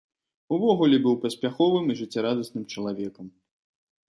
Увогуле быў паспяховым і жыццярадасным чалавекам.